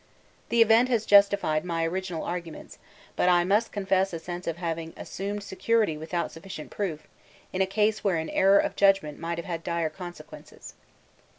The event has justified my original arguments, but I must confess a sense of having assumed security without sufficient proof in a case where an error of judgment might have had dire consequences.